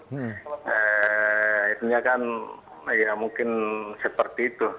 sebenarnya kan ya mungkin seperti itu